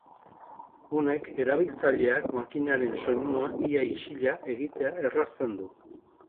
Honek erabiltzaileak makinaren soinua ia isila egitea errazten du.